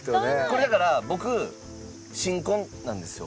これだから僕新婚なんですよ。